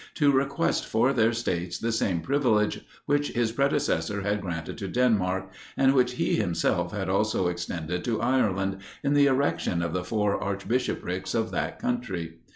to request for their states the same privilege which his predecessor had granted to Denmark; and which he himself had just extended to Ireland, in the erection of the four archbishoprics of that country.